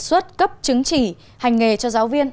xuất cấp chứng chỉ hành nghề cho giáo viên